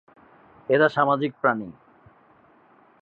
এরা সামাজিক প্রাণী।